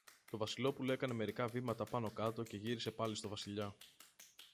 Το Βασιλόπουλο έκανε μερικά βήματα απάνω-κάτω και γύρισε πάλι στο Βασιλιά.